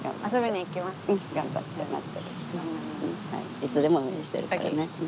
いつでも応援してるからね。